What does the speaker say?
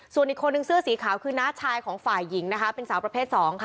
ส่วนอีกคนนึงเสื้อสีขาวคือน้าชายของฝ่ายหญิงนะคะเป็นสาวประเภท๒ค่ะ